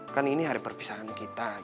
kan ini hari perpisahan kita